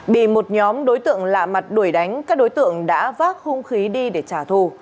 bị một nhóm đối tượng lạ mặt đuổi đánh các đối tượng đã vác hung khí đi để trả thù